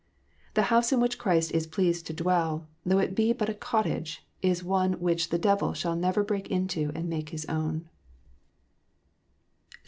The house in which Christ is pleased to dwell, though it be but a cottage, is one which the devil shall never break into and make his own.